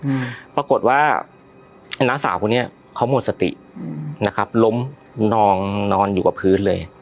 อืมปรากฏว่าไอ้น้าสาวคนนี้เขาหมดสติอืมนะครับล้มนองนอนอยู่กับพื้นเลย